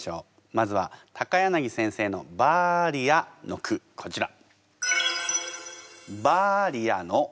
まずは柳先生の「バーリア」の句こちら。